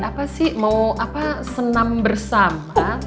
apa sih mau senam bersama